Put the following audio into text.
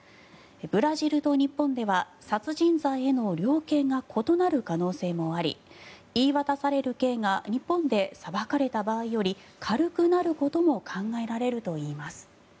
ブラジルと日本では殺人罪への量刑が異なる可能性もあり言い渡される刑が日本で裁かれた場合より軽くなることも考えられるといいます。